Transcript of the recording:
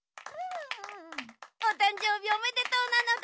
おたんじょうびおめでとうなのだ。